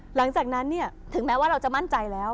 หลังจากนั้นถึงแม้ว่าเราจะมั่นใจแล้ว